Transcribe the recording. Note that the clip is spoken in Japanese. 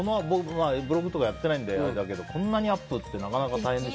僕、ブログとかやってないのであれだけどこんなにアップってできない。